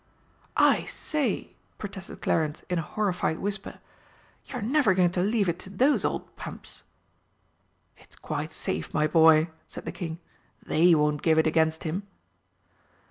"I say!" protested Clarence in a horrified whisper, "you're never going to leave it to those old pumps?" "It's quite safe, my boy," said the King. "They won't give it against him!"